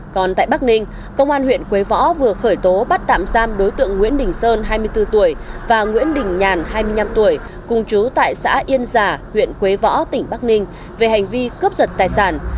còn tại bắc ninh công an huyện quế võ vừa khởi tố bắt tạm giam đối tượng nguyễn đình sơn hai mươi bốn tuổi và nguyễn đình nhàn hai mươi năm tuổi cùng chú tại xã yên giả huyện quế võ tỉnh bắc ninh về hành vi cướp giật tài sản